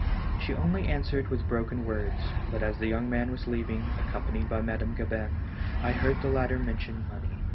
She only answered with broken words, but as the young man was leaving, accompanied by Madame Gabin, I heard the latter mention money.